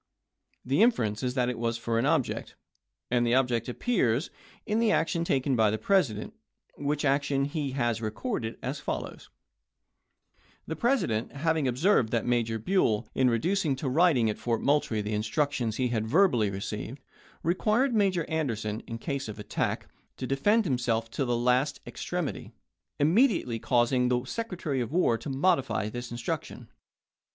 The inference is that it was for an object, and the ob ject appears in the action taken by the President, which action he has recorded as follows : The President having observed that Major Buell, in reducing to writing at Fort Moultrie the instructions he had verbally received, required Major Anderson, in case of attack, to defend himself to the last extremity, immedi ately caused the Secretary of War to modify this instruc tion.